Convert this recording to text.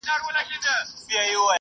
د مال په ګټلو کي رښتيا ووايئ.